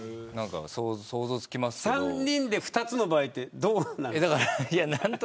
３人で２つの場合ってどうなるんですか。